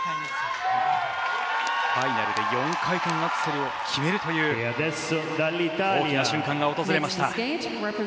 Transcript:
ファイナルで４回転アクセルを決めるという大いなる瞬間が訪れました。